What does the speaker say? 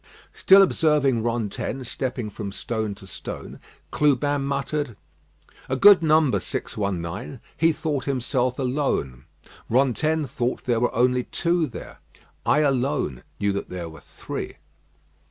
Still observing Rantaine stepping from stone to stone, Clubin muttered: "A good number 619. He thought himself alone. Rantaine thought there were only two there. I alone knew that there were three."